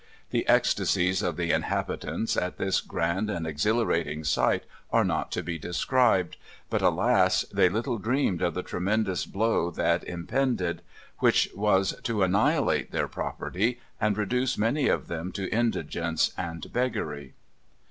The ecstasies of the inhabitants at this grand and exhilarating sight are not to be described; but, alas! they little dreamed of the tremendous blow that impended, which was to annihilate their property, and reduce many of them to indigence and beggary."